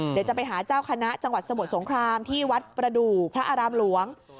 เดี๋ยวจะไปหาเจ้าคณะจังหวัดสมุทรสงครามที่วัดประดูกพระอารามหลวง